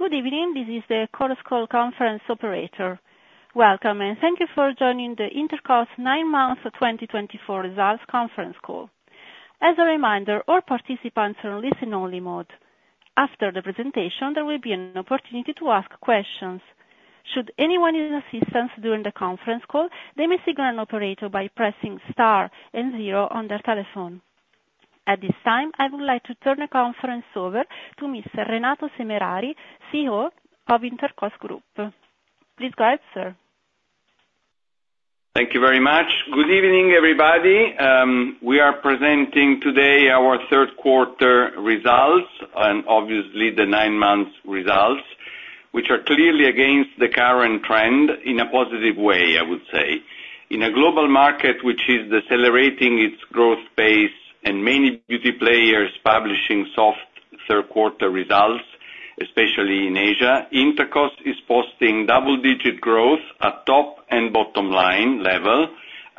Good evening, this is the Intercos call conference operator. Welcome and thank you for joining the Intercos Nine Months 2024 Results Conference Call. As a reminder, all participants are on listen-only mode. After the presentation, there will be an opportunity to ask questions. Should anyone need assistance during the conference call, they may signal an operator by pressing star and zero on their telephone. At this time, I would like to turn the conference over to Mr. Renato Semerari, CEO of Intercos Group. Please go ahead, sir. Thank you very much. Good evening, everybody. We are presenting today our third quarter results and obviously the nine months results, which are clearly against the current trend in a positive way. I would say in a global market which is decelerating its growth pace and many beauty players publishing softer third quarter results, especially in Asia. Intercos is posting double-digit growth at top- and bottom-line level,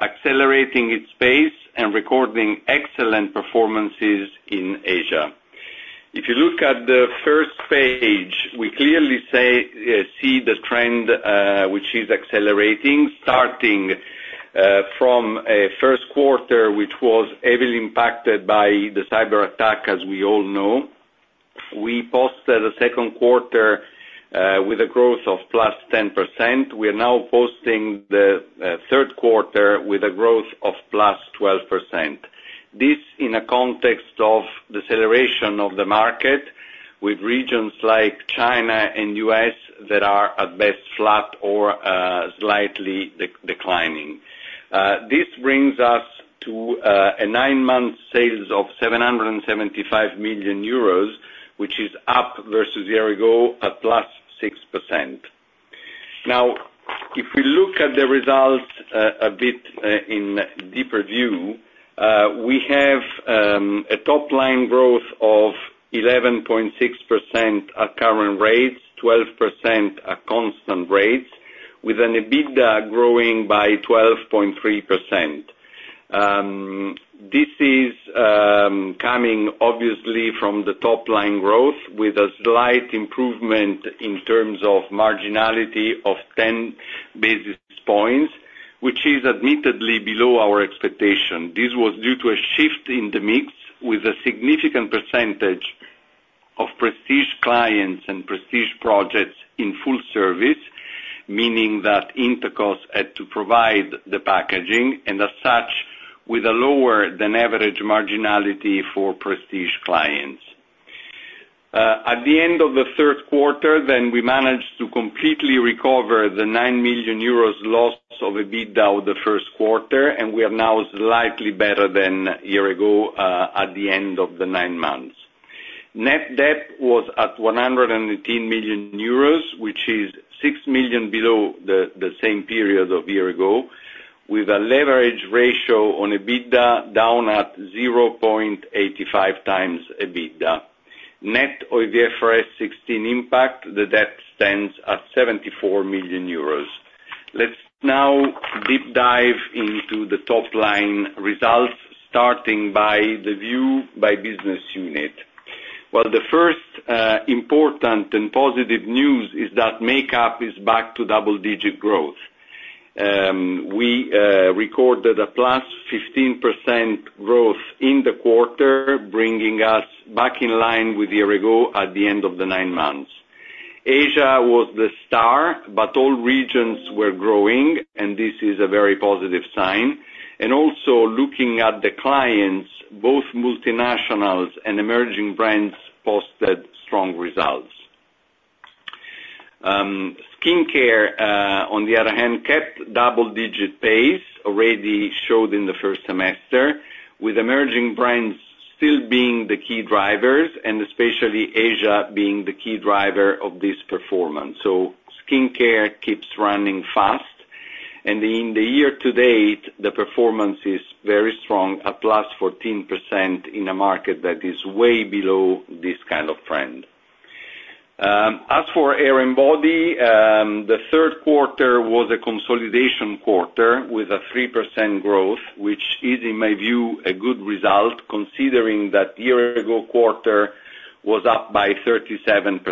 accelerating its pace and recording excellent performances in Asia. If you look at the first page, we clearly see the trend which is accelerating starting from first quarter, which was heavily impacted by the cyber attack. As we all know, we posted the second quarter with a growth of +10%. We are now posting the third quarter with a growth of +12%. This in a context of deceleration of the market with regions like China and U.S. that are at best flat or slightly declining. This brings us to nine-month sales of 775 million euros which is up versus year-ago at +6%. Now if we look at the results a bit in deeper view, we have a top line growth of 11.6% at current rates, 12% at constant rates with an EBITDA growing by 12.3%. This is coming obviously from the top line growth with a slight improvement in terms of marginality of 10 basis points, which is admittedly below our expectation. This was due to a shift in the mix with a significant percentage of prestige clients and prestige projects in full service, meaning that Intercos had to provide the packaging and as such we with a lower than average marginality for prestige clients at the end of the third quarter. We managed to completely recover the 9 million euros loss of EBITDA in the first quarter and we are now slightly better than a year ago. At the end of the nine months net debt was at 118 million euros which is 6 million below the same period of a year ago. With a leverage ratio on EBITDA down at 0.85x EBITDA net of IFRS 16 impact, the debt stands at 74 million euros. Let's now deep dive into the top line results starting by the view by business unit. The first important and positive news is that Make-up is back to double-digit growth. We recorded a +15% growth in the quarter, bringing us back in line with year-ago. At the end of the nine months, Asia was the star, but all regions were growing and this is a very positive sign. Also looking at the clients, both multinationals and emerging brands posted strong results. Skincare on the other hand kept double-digit pace. Already showed in the first semester with emerging brands still being the key drivers and especially Asia being the key driver of this performance. Skincare keeps running fast and in the year-to-date the performance is very strong, 14% in a market that is way below this kind of trend. As for Hair and Body, the third quarter was a consolidation quarter with 3% growth, which is in my view a good result considering that year ago quarter was up by 37%.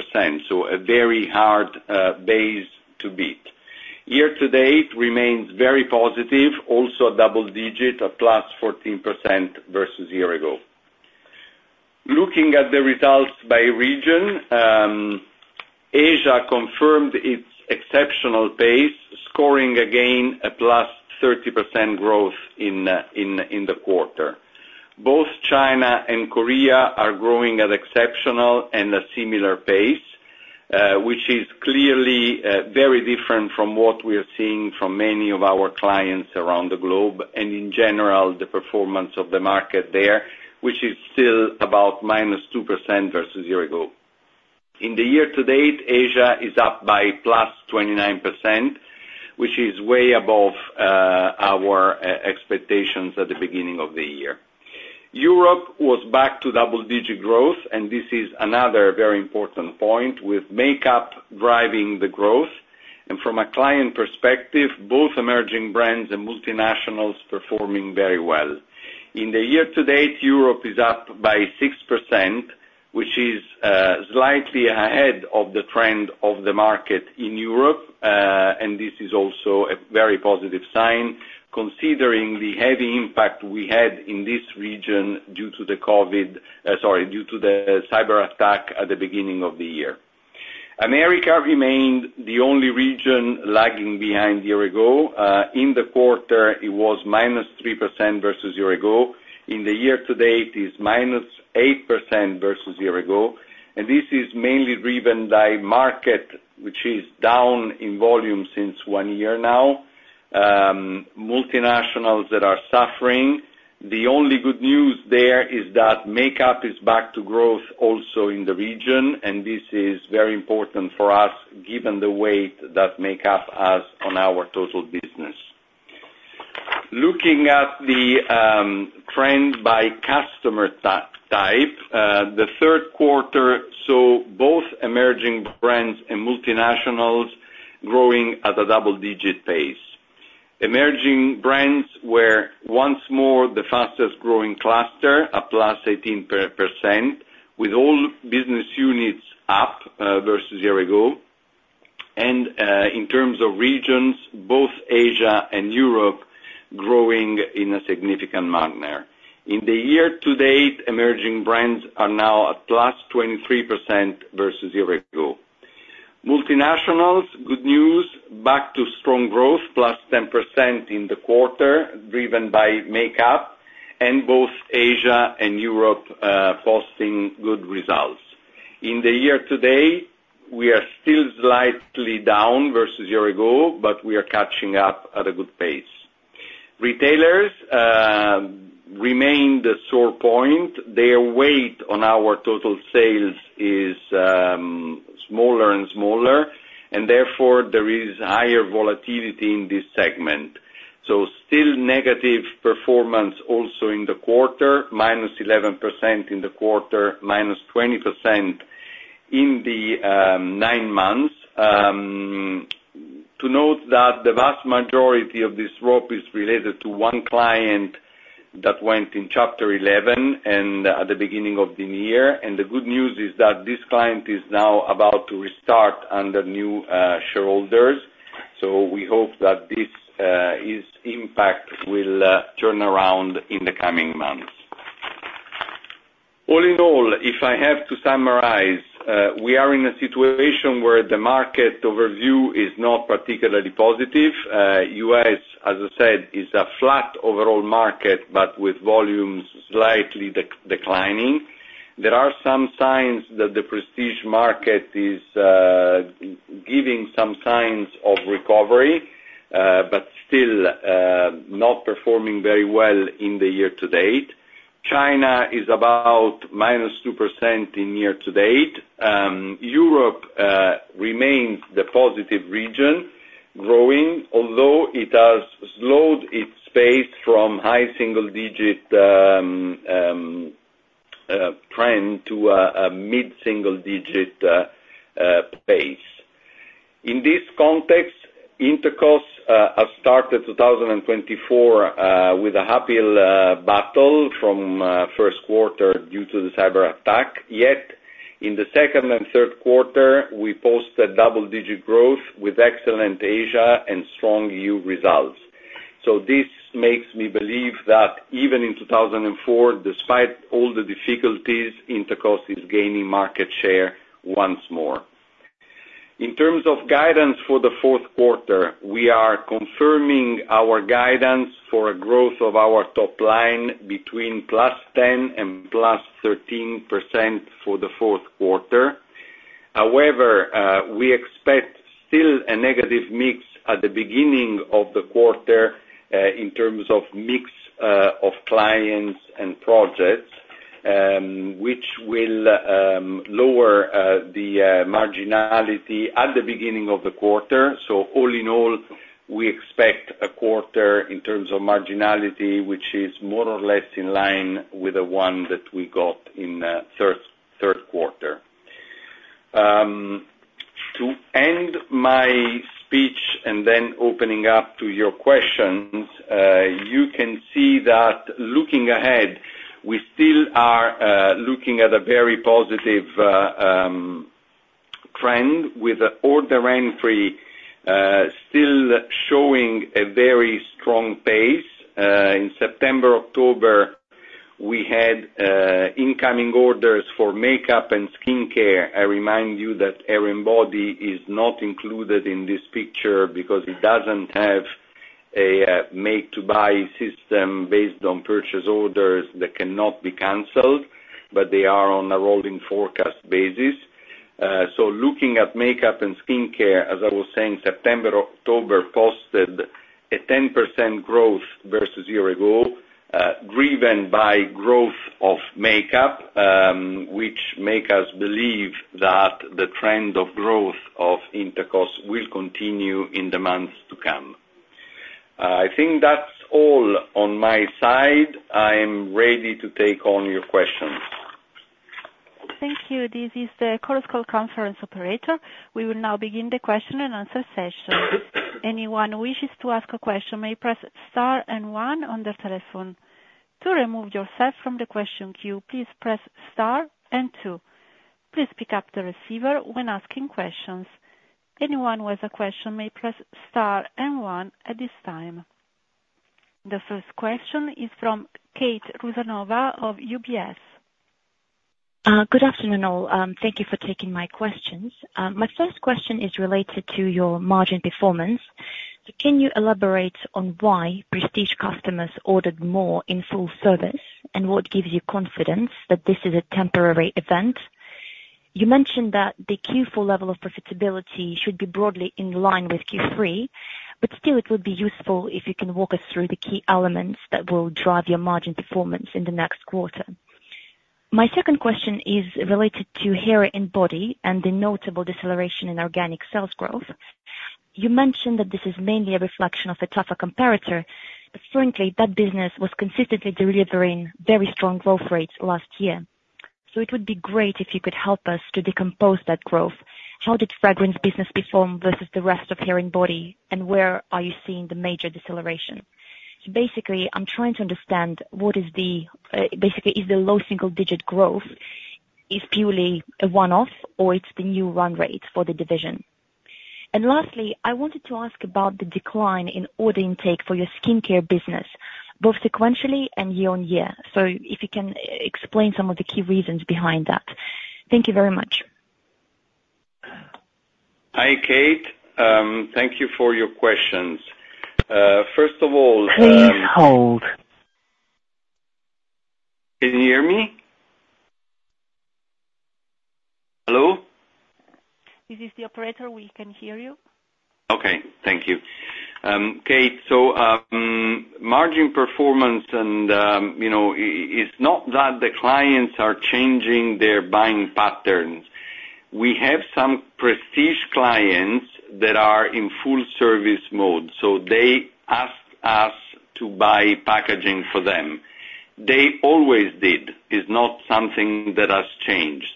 So a very hard base to beat. Year to date remains very positive. Also double digit at +4% versus year ago. Looking at the results by region, Asia confirmed its exceptional pace, scoring again a +30% growth in the quarter. Both China and Korea are growing at exceptional and a similar pace, which is clearly very different from what we are seeing from many of our clients around the globe. And in general the performance of the market there, which is still about minus 2% versus year ago. In the year to date Asia is up by +29%, which is way above our expectations. At the beginning of the year, Europe was back to double digit growth. And this is another very important point with Make-up driving the growth. And from a client perspective, both emerging brands and multinationals performing very well. In the year to date, Europe is up by 6% which is slightly ahead of the trend of the market in Europe. And this is also a very positive sign considering the heavy impact we had in this region due to the cyberattack. At the beginning of the year, America remained the only region lagging behind. A year ago in the quarter it was minus 3% versus a year ago. In the year to date is minus 8% versus a year ago. And this is mainly driven by market which is down in volume since one year now. Multinationals that are suffering. The only good news there is that Make-up is back to growth also in the region, and this is very important for us given the weight that Make-up has on our total business. Looking at the trend by customer type, the third quarter saw both emerging brands and multinationals growing at a double-digit pace. Emerging brands were once more the fastest-growing cluster at 18% with all business units up versus year ago and in terms of regions, both Asia and Europe growing in a significant manner in the year-to-date. Emerging brands are now at +23% versus year ago. Multinationals good news, back to strong growth +10% in the quarter driven by Make-up and both Asia and Europe posting good results in the year-to-date. We are still slightly down versus year ago, but we are catching up at a good pace. Retailers remain the sore point. Their weight on our total sales is smaller and smaller and therefore there is higher volatility in this segment, so still negative performance also in the quarter. -11% in the quarter, -20% in the nine months. To note that the vast majority of this drop is related to one client that went in chapter 11 at the beginning of the year. And the good news is that this client is now about to restart under new shareholders, so we hope that this impact will turn around in the coming months. All in all, if I have to summarize, we are in a situation where the market overview is not particularly positive. U.S., as I said, is a flat overall market but with volumes slightly declining. There are some signs that the prestige market is giving some signs of recovery but still not performing very well in the year to date. China is about -2% in year to date. Europe remains the positive region growing, although it has slowed its pace from high single digit trend to a mid single digit pace. In this context, Intercos has started 2024 with a hiccup in the first quarter due to the cyberattack. Yet in the second and third quarter we posted double digit growth with excellent Asia and strong U.S. results. So this makes me believe that even in 2024, despite all the difficulties, Intercos is gaining market share once more. In terms of guidance for the fourth quarter, we are confirming our guidance for a growth of our top line between 10% and 14%, 13% for the fourth quarter. However, we expect still a negative mix at the beginning of the quarter in terms of mix of clients and projects which will lower the marginality at the beginning of the quarter. So all in all we expect a quarter in terms of marginality which is more or less in line with the one that we got in third quarter. To end my speech and then opening up to your questions, you can see that looking ahead we still are looking at a very positive trend with order entry still showing a very strong pace. In September and October we had incoming orders for Make-up and Skincare. I remind Hair & Body is not included in this picture because it doesn't have a make to buy system based on purchase orders that cannot be canceled but they are on a rolling forecast basis. Looking at Make-up and Skincare. As I was saying, September-October posted a 10% growth versus year ago driven by growth of Make-up which make us believe that the trend of growth of Intercos will continue in the months to come. I think that's all on my side. I'm ready to take on your questions. Thank you. This is the Chorus Call conference operator. We will now begin the question and answer session. Anyone who wishes to ask a question may press star one. To remove yourself from the question queue please press star two. Please pick up the receiver when asking questions. Anyone who has a question may press star one at this time. The first question is from Kate Rusanova of UBS. Good afternoon all. Thank you for taking my questions. My first question is related to your margin performance. Can you elaborate on why prestige customers ordered more in full service and what gives you confidence that this is a temporary event? You mentioned that the Q4 level of profitability should be broadly in line with Q3. But still it would be useful if you can walk us through the key elements that will drive your margin performance in the next quarter. My second question is related to Hair & Body and the notable deceleration in organic sales growth. You mentioned that this is mainly a reflection of a tougher comparator, but frankly that business was consistently delivering very strong growth rates last year. So it would be great if you could help us to decompose that growth. How did fragrance business perform versus the rest of Hair & Body and where are you seeing the major deceleration? Basically, I'm trying to understand what is the low single-digit growth is purely a one-off or it's the new run rate for the division. And lastly, I wanted to ask about the decline in order intake for your Skincare business both sequentially and year-on-year. So if you can explain some of the key reasons behind that. Thank you very much. Hi Kate, thank you for your questions. First of all, please hold. Can you hear me? Hello? This is the operator. We can hear you. Okay, thank you Kate. So margin performance is not that the clients are changing their buying patterns. We have some prestige clients that are in full service mode. So they asked us to buy packaging for them. They always did. It's not something that has changed.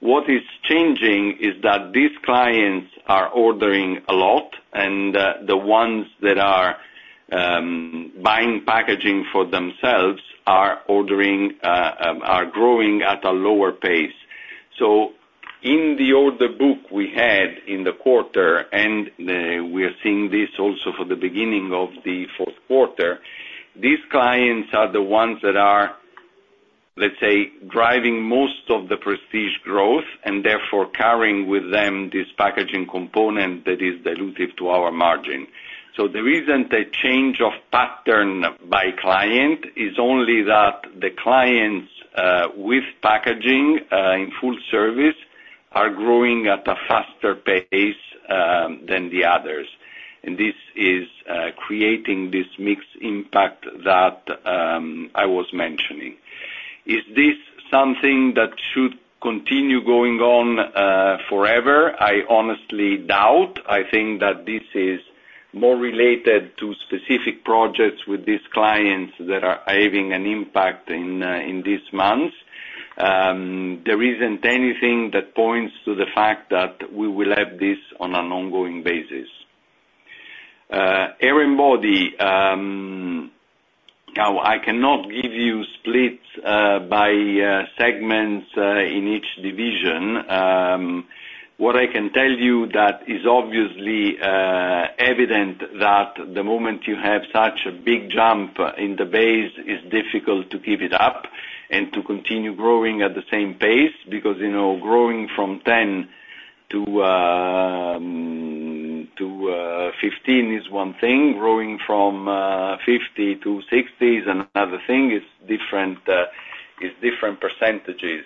What is changing is that these clients are ordering a lot and the ones that are buying packaging for themselves are growing at a lower pace. So in the order book we had in the quarter and we are seeing this also for the beginning of the fourth quarter. These clients are the ones that are, let's say, driving most of the prestige growth and therefore carrying with them this packaging component that is dilutive to our margin. So there isn't a change of pattern by client. It's only that the clients with packaging in full service are growing at a faster pace than the others. And this is creating this mix impact that I was mentioning. Is this something that should continue going on forever? I honestly doubt. I think that this is more related to specific projects with these clients that are having an impact in this month. There isn't anything that points to the fact that we will have this on an ongoing basis. Hair and body now, I cannot give you splits by segments in each division. What I can tell you that is obviously evident that the moment you have such a big jump in the base it's difficult to keep it up and to continue growing at the same pace because you know, growing from 10 to 15 is one thing, growing from 50 to 60 is another thing. It's different percentages.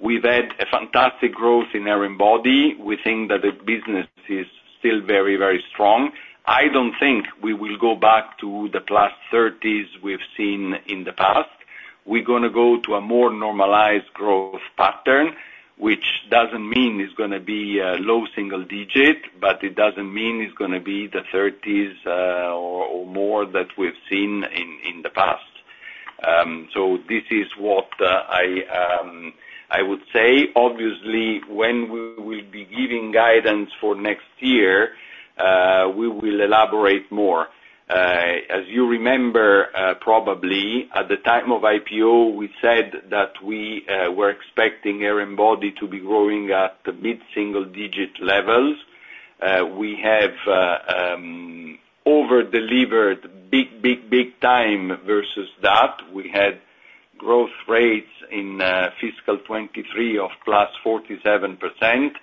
We've had a fantastic growth in Hair & Body. We think that the business is still very, very strong. I don't think we will go back to the +30s we've seen in the past. We're going to go to a more normalized growth pattern which doesn't mean it's going to be low single-digit but it doesn't mean it's going to be the 30s or more that we've seen in the past. So this is what I would say obviously when we will be giving guidance for next year we will elaborate more. As you remember, probably at the time of IPO we said that we were expecting Hair & Body to be growing at mid single-digit levels. We have over delivered big, big, big time versus that we had growth rates in fiscal 2023 of +47%.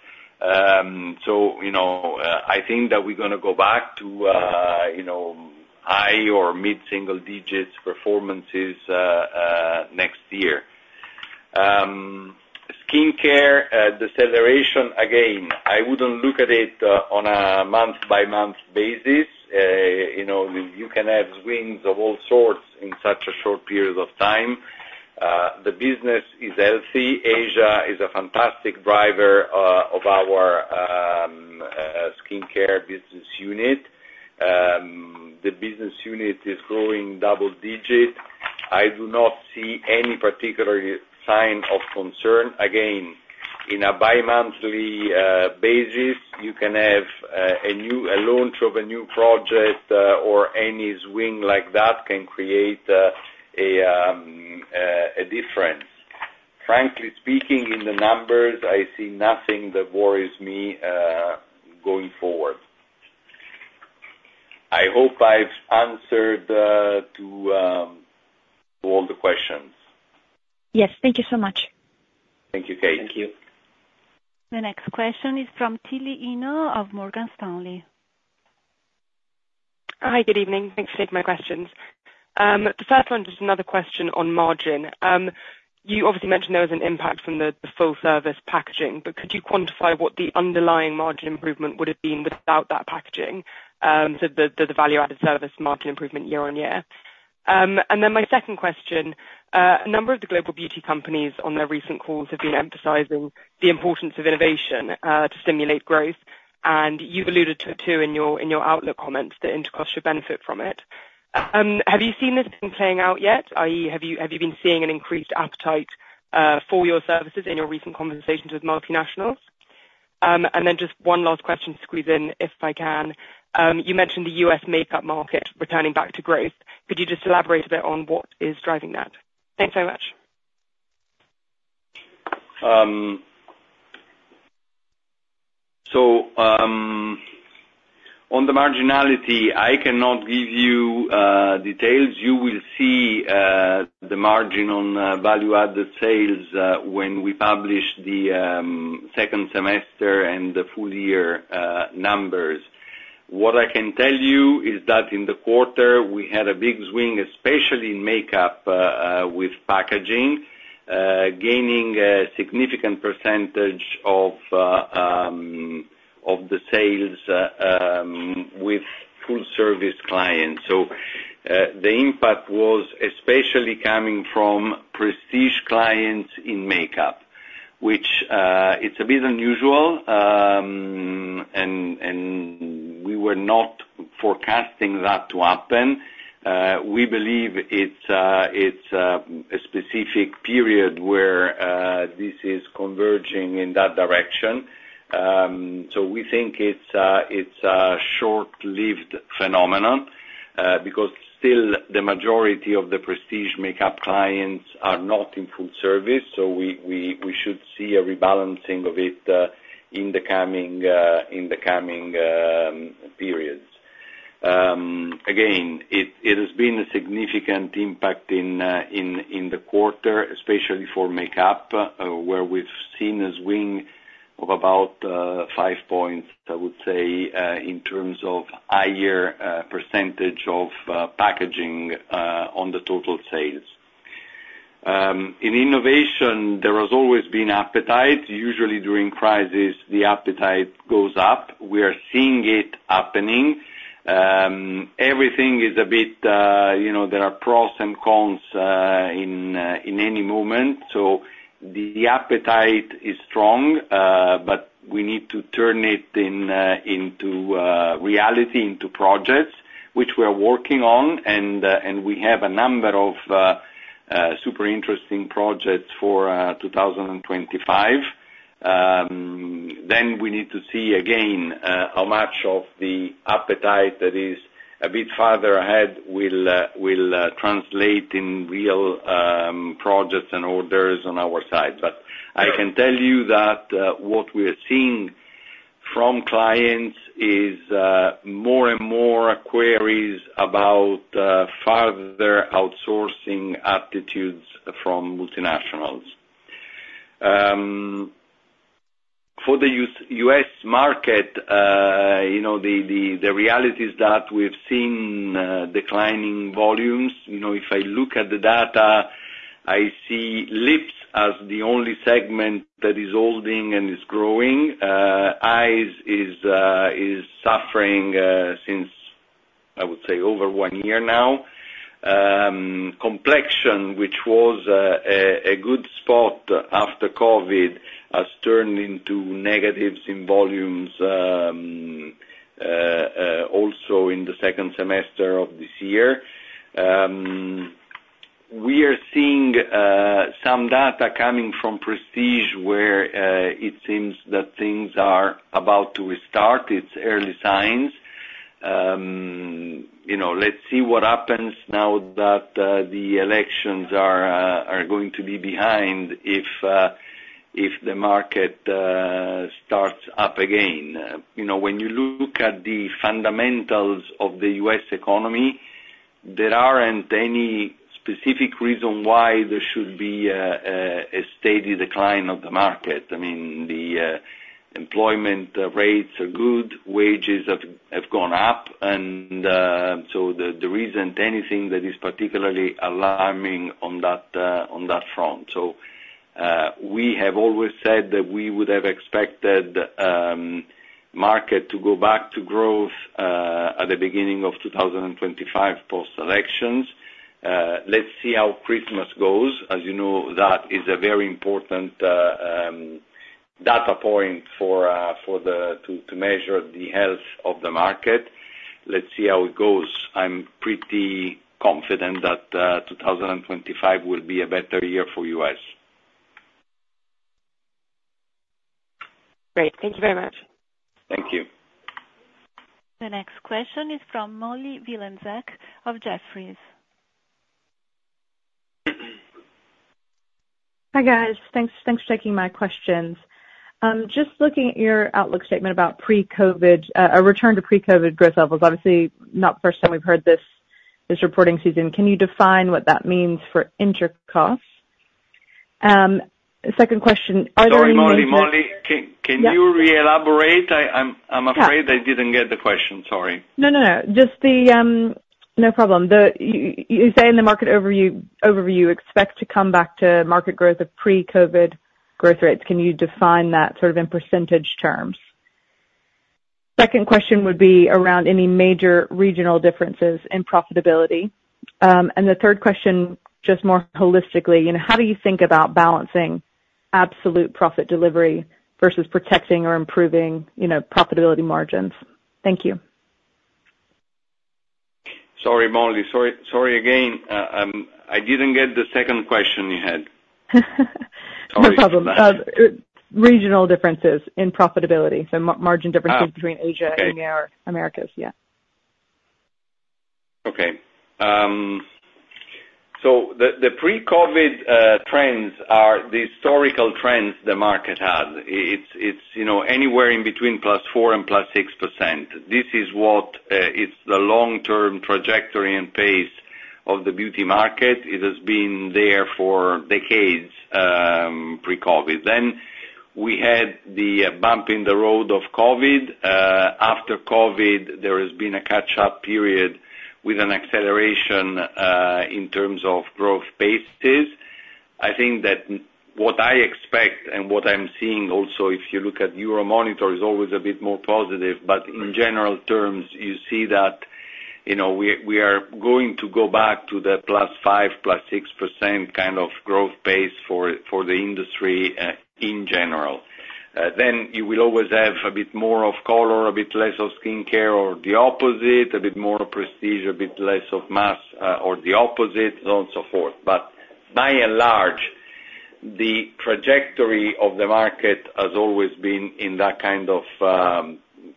I think that we're going to go back to high or mid-single digits performance next year. Skincare deceleration again, I wouldn't look at it on a month-by-month basis. You can have wins of all sorts in such a short period of time. The business is healthy. Asia is a fantastic driver of our Skincare business unit. The business unit is growing double-digit. I do not see any particular sign of concern. Again on a bi-monthly basis you can have a launch of a new project or any swing like that can create a difference. Frankly speaking, in the numbers I see nothing that worries me going forward. I hope I've answered to all the questions. Yes, thank you so much. Thank you, Kate. Thank you. The next question is from Tilly Hine of Morgan Stanley. Good evening. Thanks for taking my questions. The first one, just another question on margin, you obviously mentioned there was an impact from the full service packaging, but could you quantify what the underlying margin improvement would have been without that packaging? So the value added service margin improvement year on year. And then my second question. A number of the global beauty companies on their recent calls have been emphasizing the importance of innovation to stimulate growth. And you alluded to in your outlook comments that Intercos should benefit from it. Have you seen this playing out yet? That is, have you been seeing an increased appetite for your services in your recent conversations with multinationals? And then just one last question to squeeze in if I can. You mentioned the U.S. Make-up market returning back to growth. Could you just elaborate a bit on what is driving that? Thanks very much. On the marginality, I cannot give you details. You will see the margin on value added sales when we publish the second semester and the full year numbers. What I can tell you is that in the quarter we had a big swing, especially in Make-up with packaging gaining a significant percentage of the sales with full service clients. So the impact was especially coming from prestige clients in Make-up, which it's a bit unusual and we were not forecasting that to happen. We believe it's a specific period where this is converging in that direction. So we think it's a short-lived phenomenon because still the majority of the prestige Make-up clients are not in full service. So we should see a rebalancing of it. In the coming periods. Again, it has been a significant impact in the quarter, especially for Make-up, where we've seen a swing of about 5 points, I would say in terms of higher percentage of packaging on the total sales. In innovation there has always been appetite. Usually during crisis the appetite goes up. We are seeing it happening. Everything is a bit, you know, there are pros and cons in any moment. So the appetite is strong, but we need to turn it into reality, into projects which we are working on and we have a number of super interesting projects for 2025. Then we need to see again how much of the appetite that is a bit farther ahead will translate in real projects and orders on our side. But I can tell you that what we are seeing from clients is more and more queries about further outsourcing attitudes from multinationals for the U.S. market. You know, the reality is that we've seen declining volumes. You know, if I look at the data, I see lips as the only segment that is holding and is growing. Eyes is suffering since I would say over one year now. Complexion, which was a good spot after COVID, has turned into negatives in volumes. Also in the second semester of this year we are seeing some data coming from Prestige where it seems that things are about to restart. It's early signs. You know, let's see what happens now that the elections are going to be behind if the market starts up again. You know, when you look at the fundamentals of the U.S. economy, there aren't any specific reason why there should be a steady decline of the market. I mean the employment rates are good, wages have gone up. And so there isn't anything that is particularly alarming on that front. So we have always said that we would have expected market to go back to growth at the beginning of 2025 post elections. Let's see how Christmas goes. As you know, that is a very important data point for us to measure the health of the market. Let's see how it goes. I'm pretty confident that 2025 will be a better year for us. Great. Thank you very much. Thank you. The next question is from Molly Wylenzek of Jefferies. Hi guys. Thanks for taking my questions. Just looking at your outlook statement about pre-COVID. A return to pre-COVID gross levels. Obviously not the first time we've heard this reporting season. Can you define what that means for Intercos? Second question. Sorry, Molly. Molly, can you elaborate? I'm afraid I didn't get the question. Sorry. No, no, no. Just the. No problem. You say in the market overview expect to come back to market growth of pre-COVID growth rates. Can you define that sort of in percentage terms? Second question would be around any major regional differences in profitability, and the third question, just more holistically, how do you think about balancing absolute profit delivery versus protecting or improving profitability margins? Thank you. Sorry Molly. Sorry again. I didn't get the second question. You had no problem. Regional differences in profitability, the margin differences between Asia and the Americas. Yeah. Okay. So the pre-COVID trends are the historical trends the market had. It's, you know, anywhere in between +4% and +6%. This is what it's the long-term trajectory and pace of the beauty market. It has been there for decades. Then we had the bump in the road of COVID. After COVID there has been a catch-up period with an acceleration in terms of growth basis. I think that what I expect and what I'm seeing also if you look at Euromonitor is always a bit more positive. But in general terms you see that we are going to go back to the +5%, +6% kind of growth pace for the industry in general. Then you will always have a bit more of color, a bit less of skin care or the opposite, a bit more of prestige, a bit less of mass or the opposite, so on and so forth. But by and large the trajectory of the market has always been in that kind of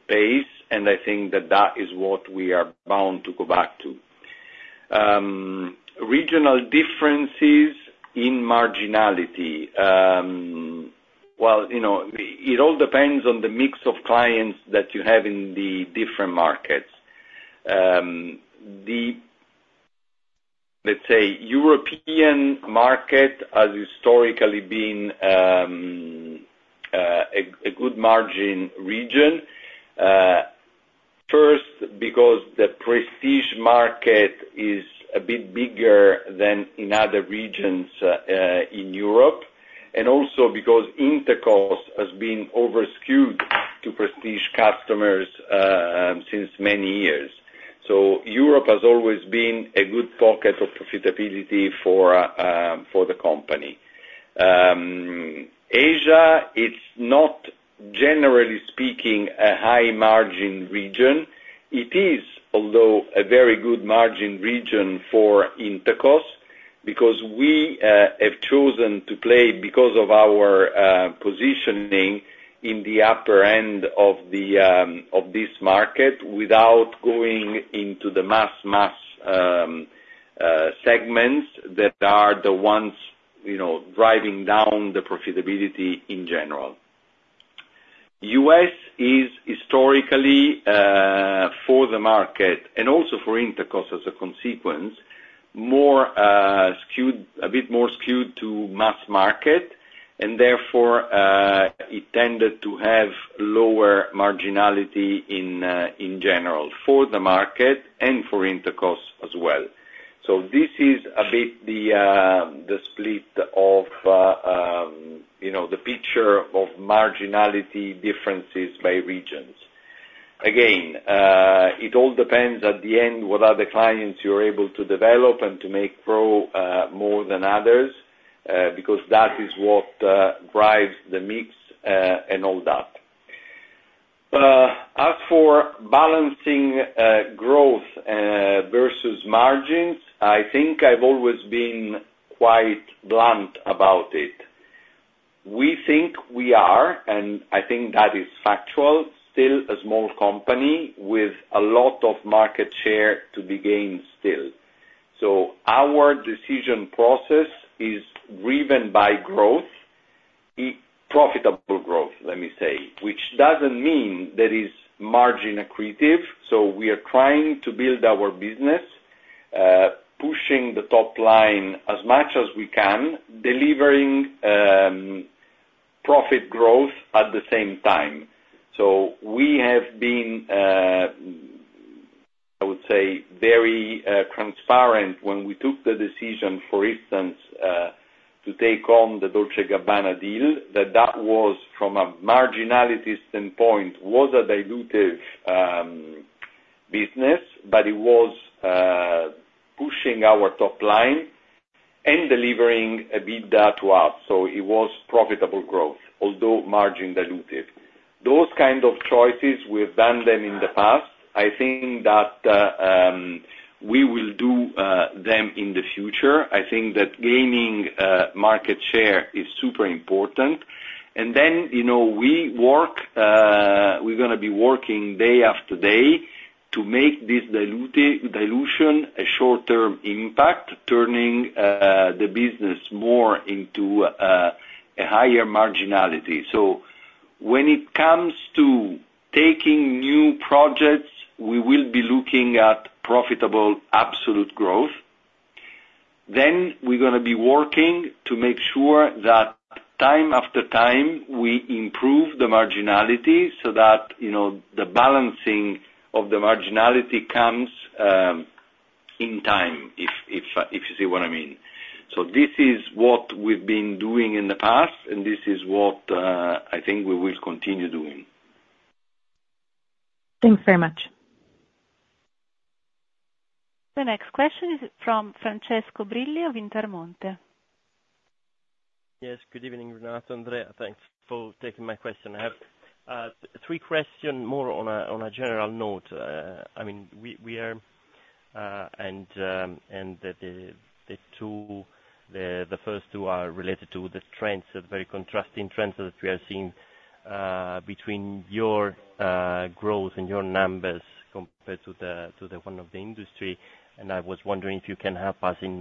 pace. And I think that that is what we are bound to go back to. Regional differences in marginality, well, you know, it all depends on the mix of clients that you have in the different markets. The, let's say, European market has historically been a good margin region first because the prestige market is a bit bigger than in other regions in Europe and also because Intercos has been over skewed to prestige customers since many years. So Europe has always been a good pocket of profitability for the company. Asia, it's not, generally speaking, a high margin region. It is although a very good margin region for Intercos because we have chosen to play because of our positioning in the upper end of this market without going into the mass, mass segments that are the ones driving down the profitability in general. U.S. is historically for the market and also for Intercos as a consequence more skewed, a bit more skewed to mass market. And therefore it tended to have lower marginality in general for the market and for Intercos as well. So this is a bit the split of, you know, the picture of marginality differences by regions. Again, it all depends at the end what are the clients you're able to develop and to make grow more than others because that is what drives the mix and all that. As for balancing growth versus margins, I think I've always been quite blunt about it. We think we are, and I think that is factual still a small company with a lot of market share to be gained. So our decision process is driven by growth, profitable growth, let me say, which doesn't mean that is margin accretive. So we are trying to build our business pushing the top line as much as we can, delivering profit growth at the same time. So we have been, I would say, very transparent. When we took the decision, for instance, to take on the Dolce & Gabbana deal, that that was from a marginality standpoint was a dilutive business, but it was pushing our top line and delivering EBITDA to us. So it was profitable growth, although margin dilutive. Those kind of choices, we've done them in the past. I think that we will do them in the future. I think that gaining market share is super important. And then we work, we're going to be working day after day to make this dilution a short-term impact, turning the business more into a higher marginality. So when it comes to taking new projects we will be looking at profitable absolute growth. Then we're going to be working to make sure that time after time we improve the marginality so that you know, the balancing of the marginality comes in time, if you see what I mean. So this is what we've been doing in the past and this is what I think we will continue doing. Thanks very much. The next question is from Francesco Brilli of Intermonte. Yes, good evening, Renato. Andrea, thanks for taking my question. I have three questions more on a general note. I mean, the first two are related to the trends, very contrasting trends that we are seeing between your growth and your numbers compared to the one of the industry. I was wondering if you can help us in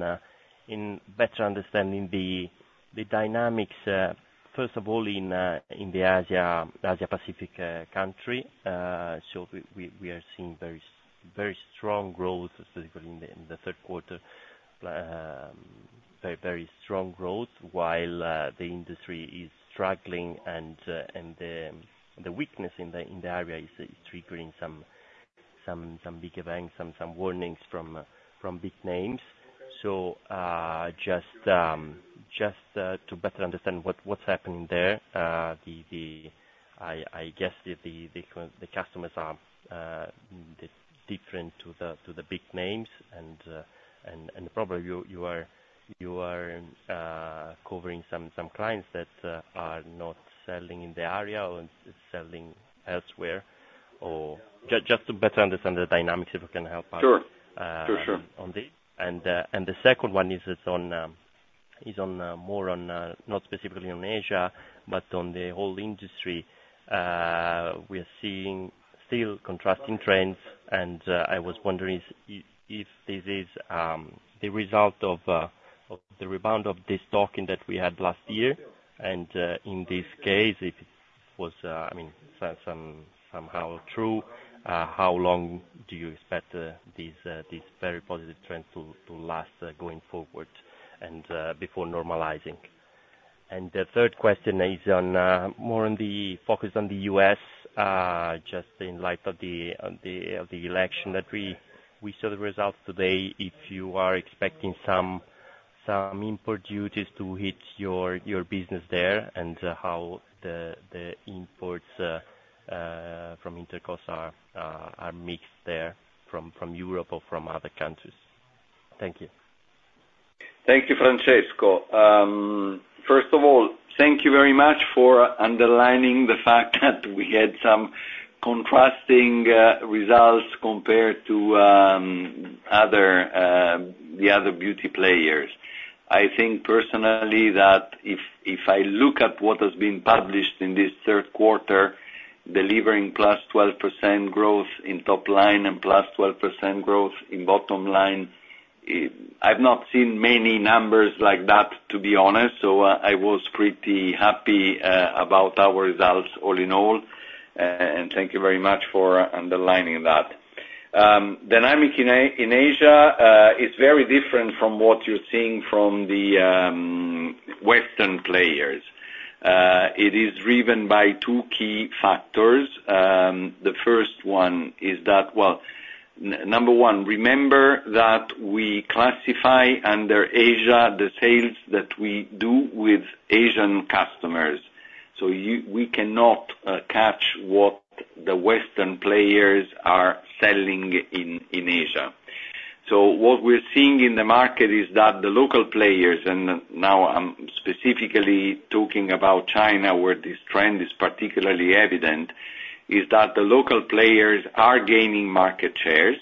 better understanding the dynamics first of all in the Asia Pacific country. So we are seeing very strong growth specifically in the third quarter, very strong growth while the industry is struggling and the weakness in the area is triggering some big events and some warnings from big names. Just to better understand what's happening there, I guess the customers are different to the big names and probably you are covering some clients that are not selling in the area or selling elsewhere just to better understand the dynamics if you can help us on this. The second one is on more, not specifically on Asia but on the whole industry we are seeing still contrasting trends and I was wondering if this is the result of the rebound of this token that we had last year and in this case if it was, I mean somehow true. How long do you expect this very positive trends to last going forward and before normalizing. The third question is more on the focus on the U.S. just in light of the election that we saw the results today. If you are expecting some import duties to hit your business there and how the imports from Intercos are mixed there from Europe or from other countries. Thank you. Thank you, Francesco. First of all, thank you very much for underlining the fact that we had some contrasting results compared to the other beauty players. I think personally that if I look at what has been published in this third quarter delivering +2% growth in top line and +12% growth in bottom line, I've not seen many numbers like that to be honest. So I was pretty happy about our results all in all and thank you very much for underlining that dynamic in Asia is very different from what you're seeing from the Western players. It is driven by two key factors. The first one is that, well, number one, remember that we classify under Asia the sales that we do with Asian customers. So we cannot catch what the Western players are selling in Asia. So what we're seeing in the market is that the local players, and now I'm specifically talking about China, where this trend is particularly evident, is that the local players are gaining market shares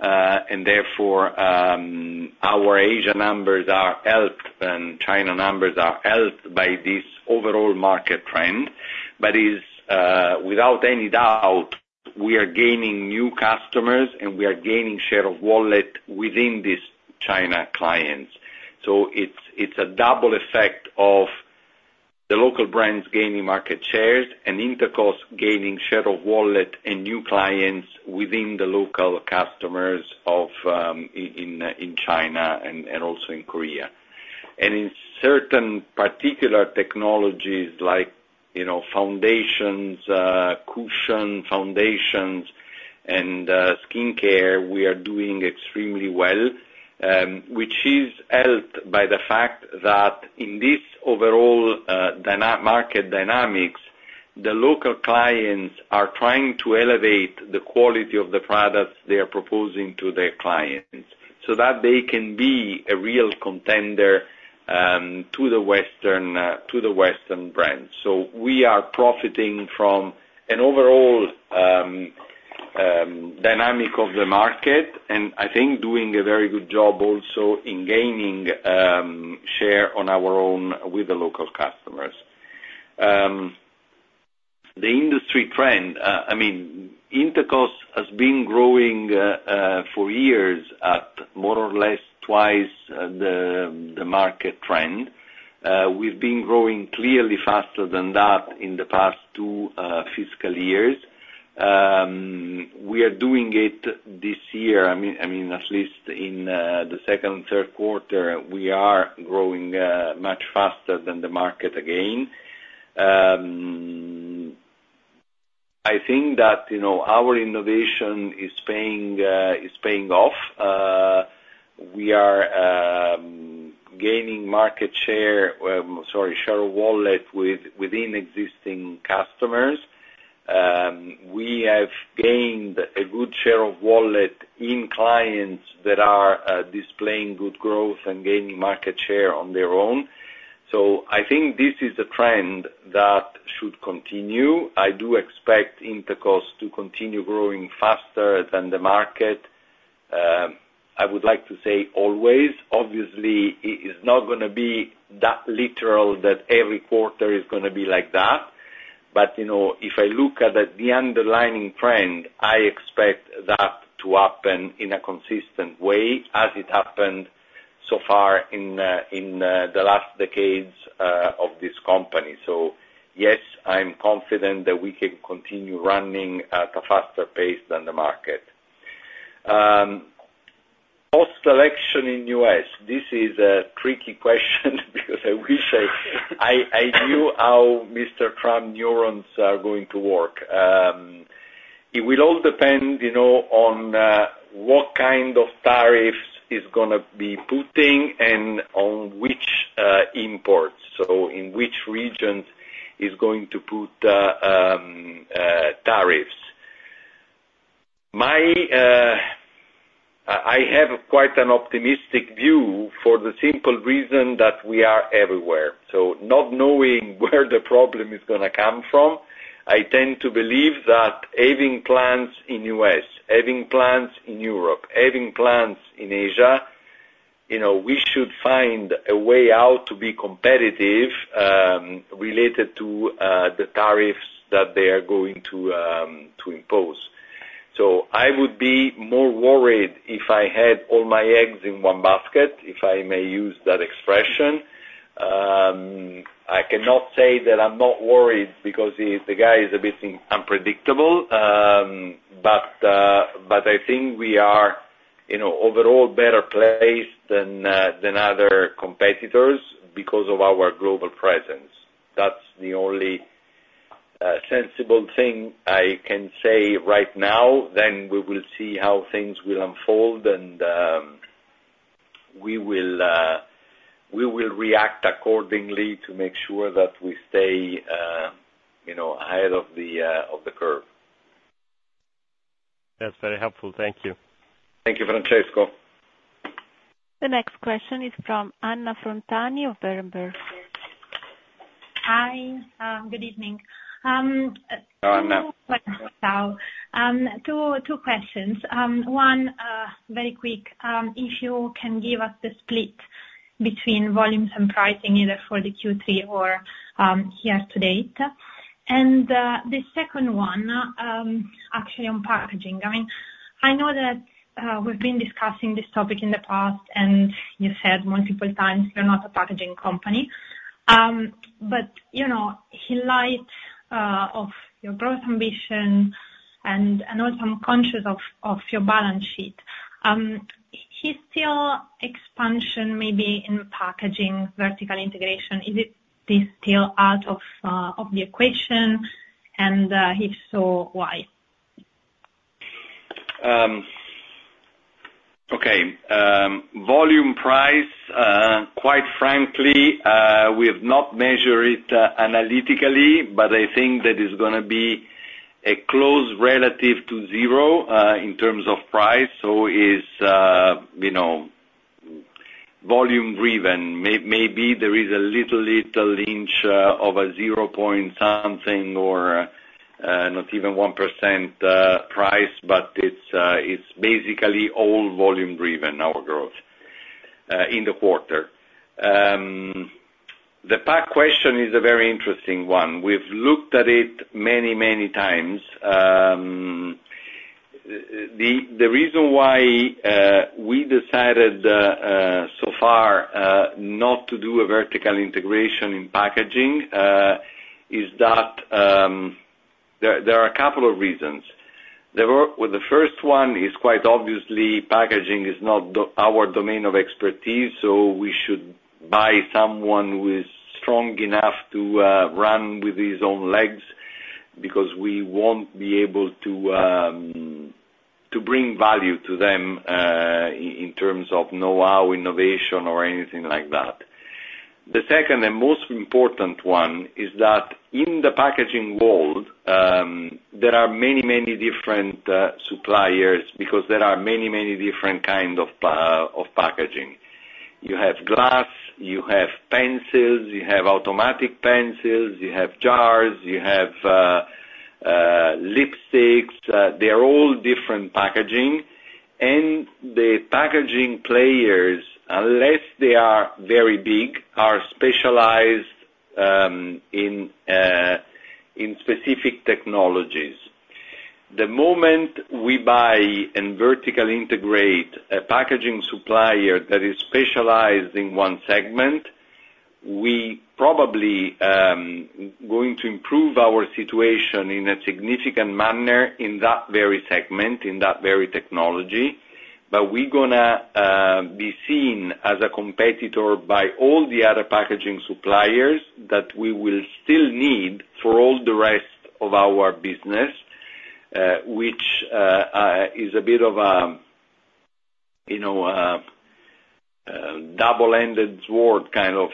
and therefore our Asian numbers are helped and China numbers are helped by this overall market trend. But it is without any doubt we are gaining new customers and we are gaining share of wallet within these China clients. So it's a double effect of the local brands gaining market share and Intercos. Gaining share of wallet and new clients within the local customers in China and also in Korea and in certain particular technologies like foundations, cushion foundations and skin care, we are doing extremely well, which is helped by the fact that in this overall market dynamics the local clients are trying to elevate the quality of the products they are proposing to their clients so that they can be a real contender to the western brand. So we are profiting from an overall dynamic of the market and I think doing a very good job also in gaining share on our own with the local customers. The industry trend, I mean Intercos has been growing for years at more or less twice the market trend. We've been growing clearly faster than that in the past two fiscal years. We are doing it this year. I mean, at least in the second and third quarter we are growing much faster than the market. Again, I think that our innovation is paying off. We are gaining market share, sorry, share of wallet within existing customers. We have gained a good share of wallet in clients that are displaying good growth and gaining market share on their own. So I think this is a trend that should continue. I do expect Intercos to continue growing faster than the market. I would like to say always, obviously it is not going to be that literal that every quarter is going to be like that. But you know, if I look at the underlying trend, I expect that to happen in a consistent way as it happened so far in the last decades of this company. So yes, I'm confident that we can continue running at a faster pace than the market post-election in the U.S. This is a tricky question because I wish I knew how Mr. Trump's neurons are going to work. It will all depend on what kind of tariffs is going to be putting and on which imports. So in which regions is going to put tariffs. I have quite an optimistic view for the simple reason that we are everywhere. So not knowing where the problem is going to come from. I tend to believe that having plants in the U.S., having plants in Europe, having plants in Asia, you know, we should find a way out to be competitive related to the tariffs that they are going to impose. So I would be more worried if I had all my eggs in one basket, if I may use that expression. I cannot say that I'm not worried because the guy is a bit unpredictable, but I think we are overall better placed than other competitors because of our global presence. That's the only sensible thing I can say right now. Then we will see how things will unfold and we will react accordingly to make sure that we stay, you know, ahead of the curve. That's very helpful, thank you. Thank you, Francesco. The next question is from Anna Frontani of Berenberg. Hi, good evening. Two questions. One, very quick, if you can give us the split between volumes and pricing either for the Q3 or year to date, and the second one actually on packaging. I mean, I know that we've been discussing this topic in the past and you said multiple times you're not a packaging company, but you know, in light of your growth ambition and also I'm conscious of your balance sheet, is the expansion maybe in packaging, vertical integration. Is it this deal out of the equation and if so, why? Okay, volume, price, quite frankly we have not measured it analytically, but I think that is going to be a close relative to zero in terms of price. So is, you know, volume driven? Maybe there is a little pinch of a zero point something or not even 1% price, but it's basically all volume driven. Our growth in the quarter. The pack question is a very interesting one. We've looked at it many, manyx. The reason why we decided so far not to do a vertical integration in packaging is that there are a couple of reasons. The first one is quite obviously packaging is not our domain of expertise. So we should buy someone who is strong enough to run with his own legs because we won't be able to bring value to them in terms of know how, innovation or anything like that. The second and most important one is that in the packaging world there are many, many different suppliers because there are many, many different kind of packaging. You have glass, you have pencils, you have automatic pencils, you have jars, you have lipsticks. They are all different packaging. And the packaging players, unless they are very big, are specialized in specific technologies. The moment we buy and vertically integrate a packaging supplier, that is specialized in one segment. We probably going to improve our situation in a significant manner in that very segment, in that very technology. But we're going to be seen as a competitor by all the other packaging suppliers that we will still need for all the rest of our business, which is a bit of a, you know, double ended sword kind of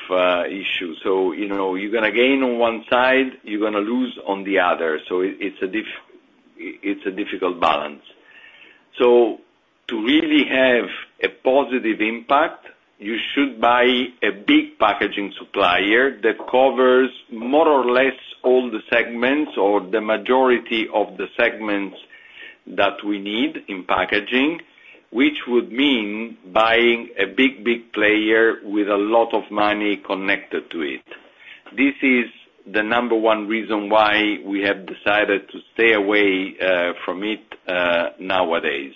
issue. So you know, you're going to gain on one side, you're going to lose on the other. So it's a difficult balance. So to really have a positive impact, you should buy a big packaging supplier that covers more or less all the segments or the majority of the segments that we need in packaging, which would mean buying a big, big player with a lot of money connected to it. This is the number one reason why we have decided to stay away from it. Nowadays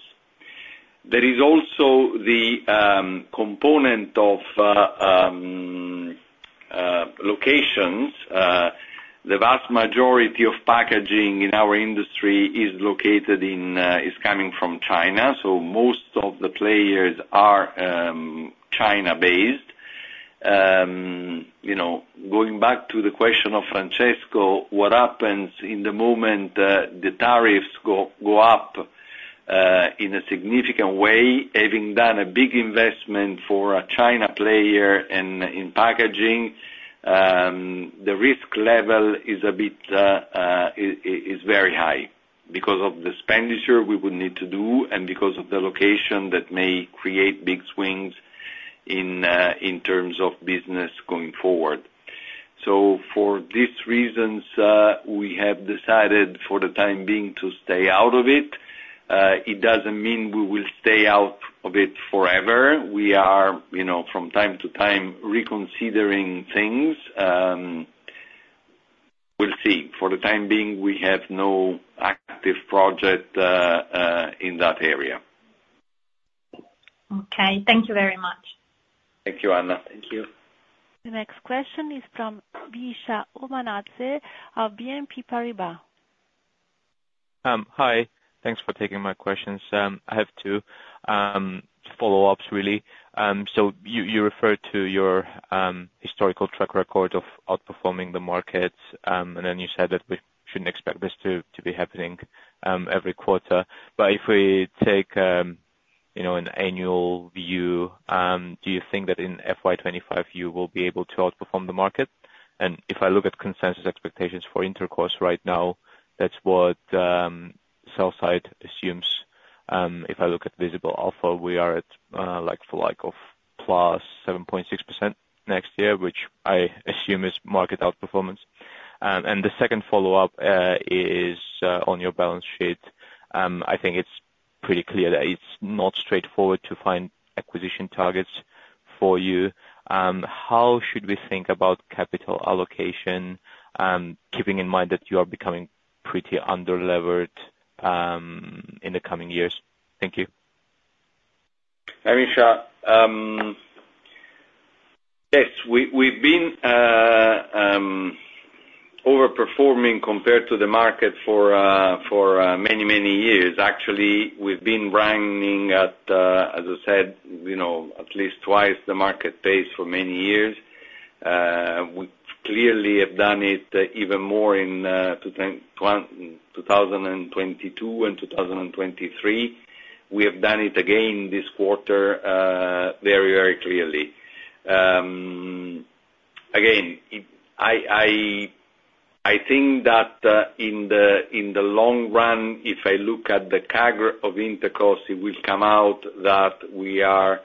there is also the component of locations. The vast majority of packaging in our industry is located in, is coming from China. So most of the players are China based. You know, going back to the question of Francesco, what happens in the moment the tariffs go up in a significant way? Having done a big investment for a China player and packaging, the risk level is a bit, is very high because of the expenditure we would need to do and because of the location that may create big swings in terms of business going forward. So for these reasons we have decided for the time being to stay out of. Doesn't mean we will stay out of it forever. We are, you know, from time to time reconsidering things. We'll see for the time being we have no active project in that area. Okay, thank you very much. Thank you Anna. Thank you. The next question is from Bisha Umanazeh of BNP Paribas. Hi, thanks for taking my questions. I have two follow ups. Really? You referred to your historical track record of outperforming the markets and then you said that we shouldn't expect this to be happening every quarter. But if we take an annual view, do you think that in FY 2025 you will be able to outperform the market? And if I look at consensus expectations for Intercos right now, that's what sell-side assumes. If I look at Visible Alpha, we are at like-for-like of +7.6% next year, which I assume is market outperformance. And the second follow up is on your balance sheet. I think it's pretty clear that it's not straightforward to find acquisition targets for you. How should we think about capital allocation? Keeping in mind that you are becoming pretty underlevered in the coming years. Thank you. Pisha. Yes, we've been overperforming compared to the market for many, many years. Actually, we've been running at, as I said, at least twice the market pace for many years. We clearly have done it even more in 2022 and 2023. We have done it again this quarter, very, very clearly. Again, I think that in the long run, if I look at the CAGR of Intercos, it will come out that we are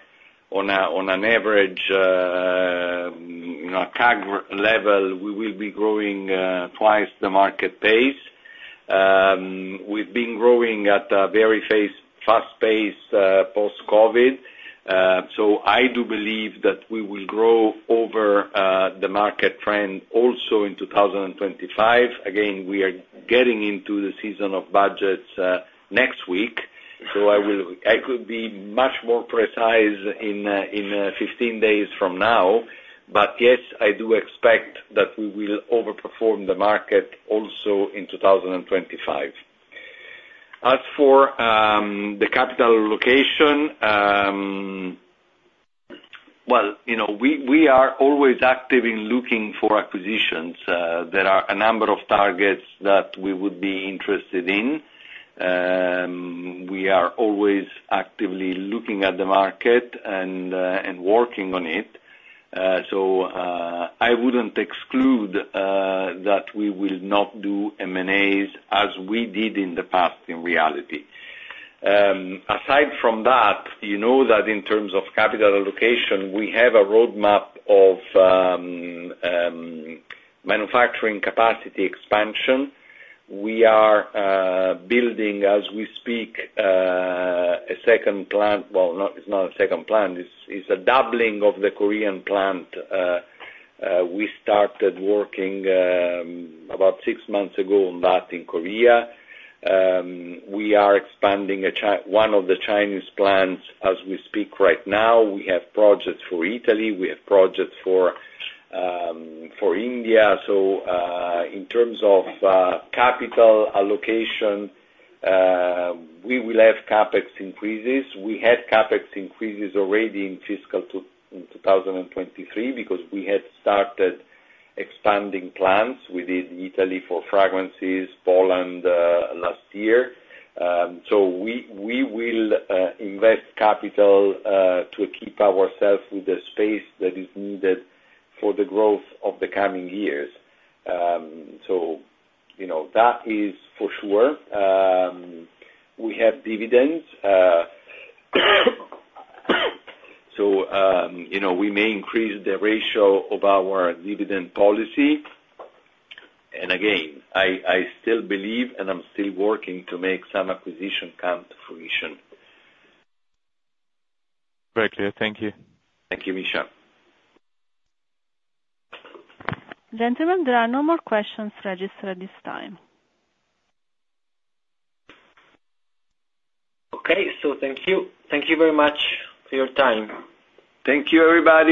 on an average CAGR level. We will be growing twice the market pace. We've been growing at a very fast pace post Covid. So I do believe that we will grow over the market trend also in 2025. Again, we are getting into the season of budget next week, so I could be much more precise in 15 days from now. But yes, I do expect that we will overperform the market also in 2025. As for the capital allocation, well, you know, we are always active in looking for acquisitions. There are a number of targets that we would be interested in. We are always actively looking at the market and working on it. So I wouldn't exclude that we will not do M&As as we did in the past. In reality, aside from that, you know that in terms of capital allocation, we have a roadmap of manufacturing capacity expansion. We are building, as we speak, a second plant. Well, it's not a second plant. It's a doubling of the Korean plant. We started working about six months ago on that in Korea. We are expanding one of the Chinese plants as we speak right now. We have projects for Italy, we have projects for India. So in terms of capital allocation, we will have CapEx increases. We had CapEx increases already in fiscal 2023 because we had started expanding plants. We did Italy for fragrances, Poland last year. So we will invest capital to keep ourselves with the space that is needed for the growth of the coming years. So, you know, that is for sure. We have dividends, so, you know, we may increase the ratio of our dividend policy. And again, I still believe and I'm still working to make some acquisition come to fruition. Very clear. Thank you. Thank you, Pisha. Gentlemen, there are no more questions registered at this time. Okay? Thank you. Thank you very much for your time. Thank you, everybody.